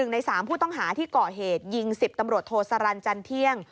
ใน๓ผู้ต้องหาที่ก่อเหตุยิง๑๐ตำรวจโทสรรเที่ยง